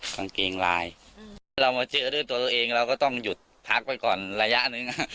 กางเกงลายถ้าเรามาเจอด้วยตัวเองเราก็ต้องหยุดพักไปก่อนระยะหนึ่ง